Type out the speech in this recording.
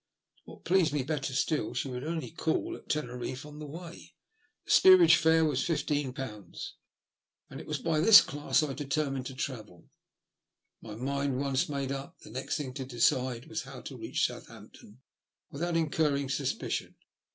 What pleased me better still, she would only call at Teneriffe on the way. The steerage fare was fifteen pounds, and it was by this class I determined to travel. My mind once made up, the next thing to decide was how to reach Southampton without incurring suspicion.